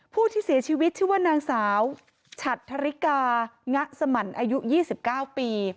ผู้ที่เสียชีวิตชื่อว่านางสาวฉัดธริกางะสมันอายุ๒๙ปี